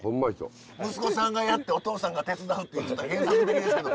息子さんがやってお父さんが手伝うっていうちょっと変則的ですけど。